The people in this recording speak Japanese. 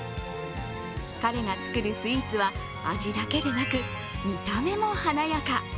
彼が作るスイーツは味だけでなく見た目も華やか。